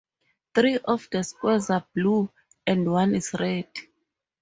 Three of the squares are blue and one is red.